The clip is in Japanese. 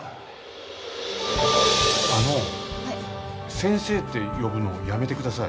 先生って呼ぶのやめてください。